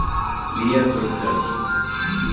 Léa Drucker